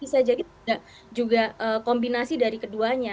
bisa jadi juga kombinasi dari keduanya